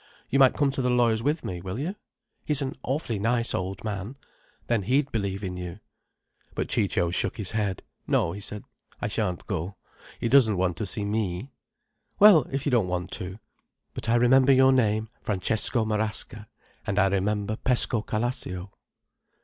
You might come to the lawyer's with me, will you? He's an awfully nice old man. Then he'd believe in you." But Ciccio shook his head. "No," he said. "I shan't go. He doesn't want to see me." "Well, if you don't want to. But I remember your name, Francesco Marasca, and I remember Pescocalascio."